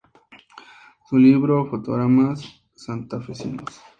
Su libro "Fotogramas Santafesinos.